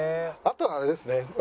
あとはあれですね。